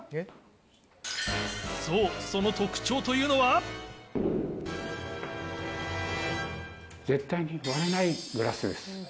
そう、その特徴というのは。絶対に割れないグラスです。